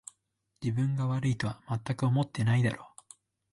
自分が悪いとはまったく思ってないだろう